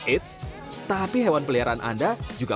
eits tapi hewan peliharaan anda juga